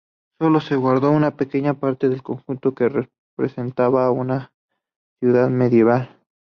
Solo se guardó una pequeña parte del conjunto, que representaba una ciudad medieval.